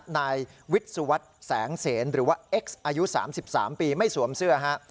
นายวิทย์สุวัสดิ์แสงเสนหรือว่าเอ็กซ์อายุ๓๓ปีไม่สวมเสื้อฮะ